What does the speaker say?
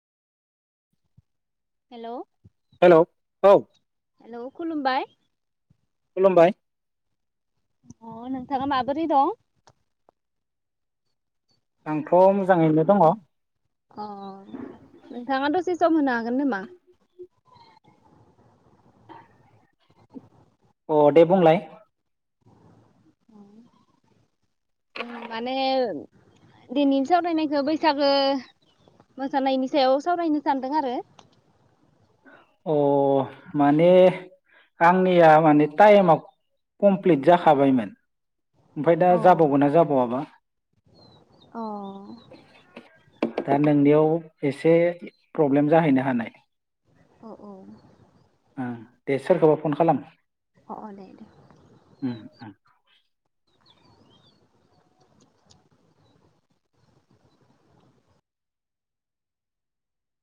हेल' hello औ hello खुलुमबाय खुलुमबाय अ नोंथाङा माबोरै दं? आंथ' मोजाङैनो दङ अ अ नोंंथाङा सो सम होनो हागोन नामा? अ दे बुंलाय माने दिनैनि सावरायनायखौ बैसागो मोसानायनि सायाव सावरायनो सानदों आरो अ माने आंनिया माने टाइमाव कमप्लिट जाखाबायमोन। ओमफाय दा औ जाबावगोना जाबावाबा अ औ दा नोंनियाव एसे प्रब्लेम जाहैनो हानाय। औ औ ओ दे सोरखौबा फन खालाम अ अ दे दे ओम